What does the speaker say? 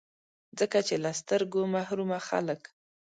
ځکه چي له سترګو محرومه خلګ